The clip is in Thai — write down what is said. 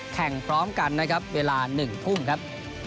พร้อมกันนะครับเวลา๑ทุ่มครับ